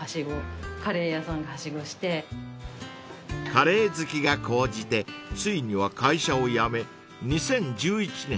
［カレー好きが高じてついには会社を辞め２０１１年